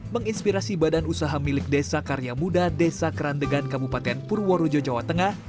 menginspirasi badan usaha milik desa karya muda desa kerandegan kabupaten purworejo jawa tengah